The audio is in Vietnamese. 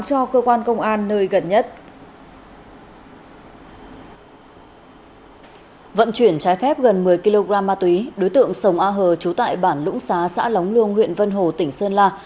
vận chuyển trái phép gần một mươi kg ma túy đối tượng sông a hờ trú tại bản lũng xá xã lóng luông huyện vân hồ tỉnh sơn la